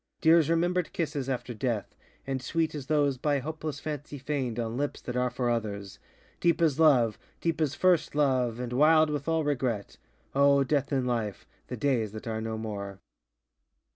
Dear as rememberŌĆÖd kisses after death, And sweet as those by hopeless fancy feignŌĆÖd On lips that are for others; deep as love, Deep as first love, and wild with all regret; O Death in Life, the days that are no more.